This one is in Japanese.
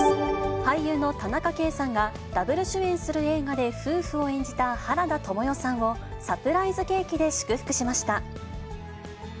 俳優の田中圭さんが、ダブル主演する映画で夫婦を演じた原田知世さんを、サプライズケーキで祝福しました。